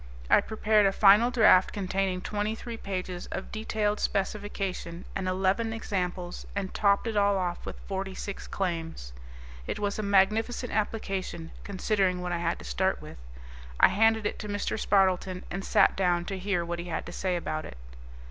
I prepared a final draft containing twenty three pages of detailed specification and eleven examples and topped it all off with forty six claims. It was a magnificent application, considering what I had to start with. I handed it to Mr. Spardleton and sat down to hear what he had to say about it.